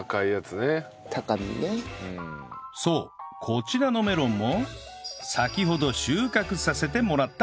そうこちらのメロンも先ほど収穫させてもらたもの